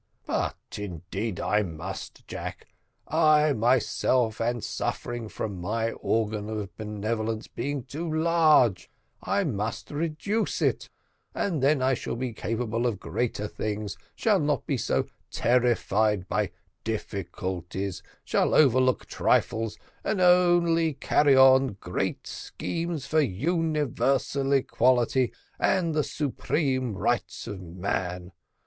"But indeed I must, Jack. I myself am suffering from my organ of benevolence being too large; I must reduce it, and then I shall be capable of greater things, shall not be so terrified by difficulties, shall overlook trifles, and only carry on great schemes for universal equality and the supreme rights of man.